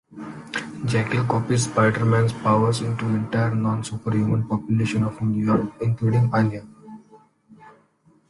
Jackal copies Spider-Man's powers into the entire non-superhuman population of New York, including Anya.